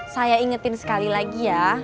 saya ingetin sekali lagi ya